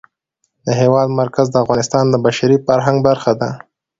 د هېواد مرکز د افغانستان د بشري فرهنګ برخه ده.